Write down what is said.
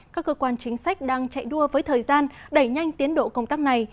các cơ quan chính sách đang chạy đua với thời gian đẩy nhanh tiến độ công tác này